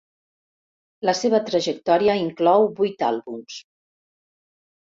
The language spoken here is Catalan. La seva trajectòria inclou vuit àlbums.